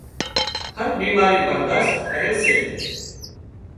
هر بيماري برادشت ڪري سي